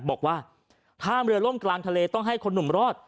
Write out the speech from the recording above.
บอกว่าถ้าเรือล่มกลางทะเลต้องให้คนหนุ่มรอด